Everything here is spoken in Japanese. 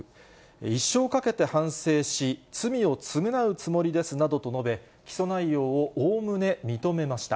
一生かけて反省し、罪を償うつもりですなどと述べ、起訴内容をおおむね認めました。